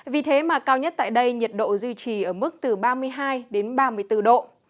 vì thế mà cao nhất tại đây nhiệt độ duy trì ở mức từ ba mươi hai đến ba mươi bốn độ